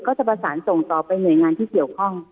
ก็จะประสานส่งต่อไปหน่วยงานที่เกี่ยวข้อง